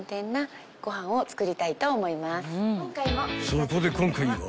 ［そこで今回は］